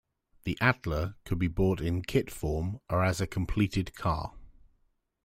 The Atla could be bought in kit form or as a completed car.